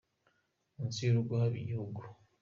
munsi yurugo haba igihuru